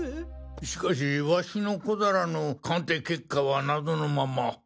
しかしワシの小皿の鑑定結果は謎のまま。